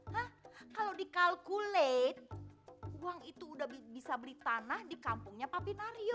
hah kalo dikalkulat uang itu udah bisa beli tanah di kampungnya papi nario